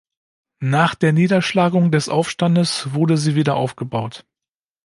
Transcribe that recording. Nach der Niederschlagung des Aufstandes wurde sie wieder aufgebaut.